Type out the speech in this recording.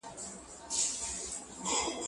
زه مخکې کار کړی و!!